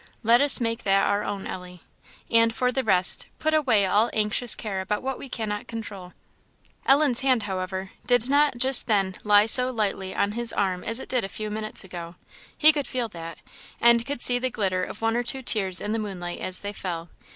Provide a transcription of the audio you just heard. Let us make that our own, Ellie; and, for the rest, put away all anxious care about what we cannot control." Ellen's hand, however, did not just then lie quite so lightly on his arm as it did a few minutes ago he could feel that and could see the glitter of one or two tears in the moonlight as they fell.